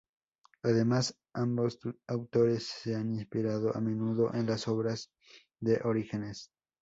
Además, ambos autores se han inspirado a menudo en las obras de Orígenes.